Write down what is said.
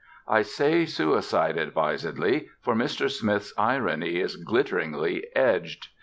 I say suicide advisedly, for Mr. Smith's irony is glitteringly edged.